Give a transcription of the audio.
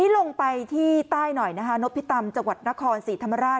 ลงไปที่ใต้หน่อยนะคะนพิตำจังหวัดนครศรีธรรมราช